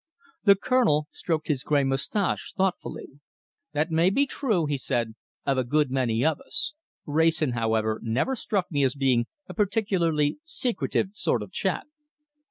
The Colonel stroked his grey moustache thoughtfully. "That may be true," he said, "of a good many of us. Wrayson, however, never struck me as being a particularly secretive sort of chap."